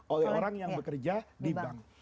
oleh orang yang bekerja di bank